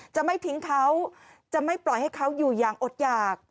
จะไม่ทิ้งเขาจะไม่ปล่อยให้เขาอยู่อย่างอดหยาก